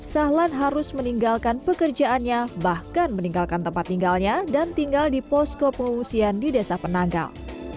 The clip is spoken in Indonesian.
sahlan harus meninggalkan pekerjaannya bahkan meninggalkan tempat tinggalnya dan tinggal di posko pengungsian di desa penanggal